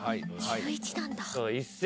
中１なんだ。